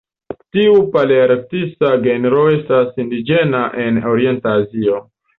Tiu palearktisa genro estas indiĝena en orienta Azio.